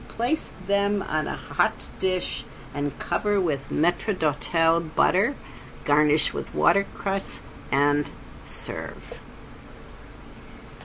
Place them on a hot dish and cover with maitre d'hotel butter, garnish with watercress, and serve.